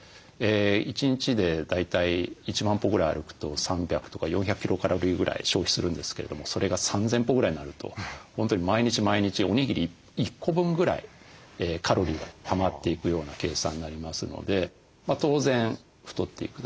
一日で大体１万歩ぐらい歩くと３００とか４００キロカロリーぐらい消費するんですけれどもそれが３，０００歩ぐらいになると本当に毎日毎日おにぎり１個分ぐらいカロリーがたまっていくような計算になりますので当然太っていくだろうと。